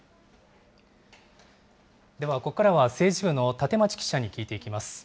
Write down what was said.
ではここからは政治部の立町記者に聞いていきます。